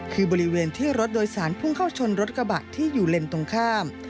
คือบริเวณที่รถโดยสารพุ่งเข้าชนรถกระบะที่อยู่เลนส์ตรงข้าม